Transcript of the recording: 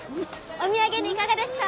お土産にいかがですか？